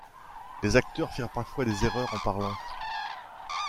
Les acteurs firent parfois des erreurs en parlant.